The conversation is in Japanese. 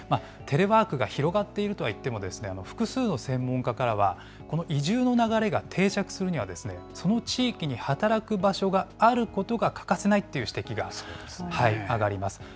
テレワークが広がっているとはいっても、複数の専門家からは、この移住の流れが定着するには、その地域に働く場所があることが欠かせないという指摘が上がります。